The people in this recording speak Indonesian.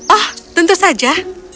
oh tentu saja